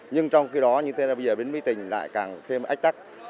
nhưng trong khi đó như thế này bây giờ bến mỹ đình lại càng thêm ách tắc